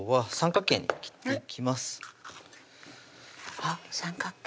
あっ三角形